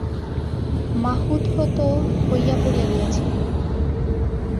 মাহুত হত হইয়া পড়িয়া গিয়াছে।